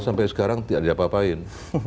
sampai sekarang tidak ada apa apain